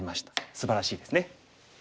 すばらしいですね。